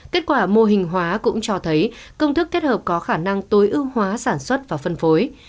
kết quả mô hình hóa cũng cho thấy công thức kết hợp có khả năng tối ưu hóa sản xuất và phân phối